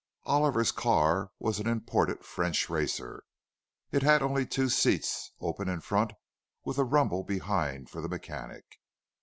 Oliver's car was an imported French racer. It had only two seats, open in front, with a rumble behind for the mechanic.